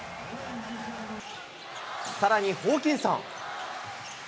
さらに、ホーキンソン。